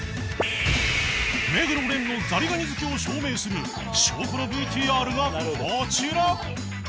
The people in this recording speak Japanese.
［目黒蓮のザリガニ好きを証明する証拠のＶＴＲがこちら］